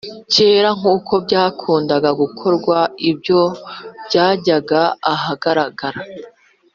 kera nk uko byakundaga gukorwa Ibyo byajyaga ahagaragara